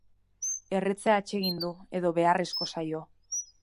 Erretzea atsegin du edo beharrezko zaio.